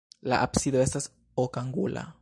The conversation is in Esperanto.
La absido estas okangula.